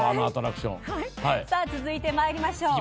続いてまいりましょう。